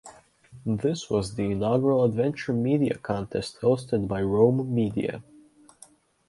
This was the inaugural adventure media contest hosted by Roam Media.